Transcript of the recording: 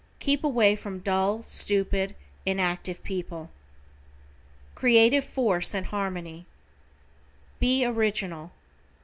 Keep away from dull, stupid, inactive people. =CREATIVE FORCE AND HARMONY:= Be original.